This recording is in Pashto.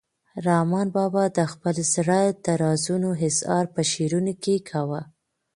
رحمان بابا د خپل زړه د رازونو اظهار په شعرونو کې کاوه.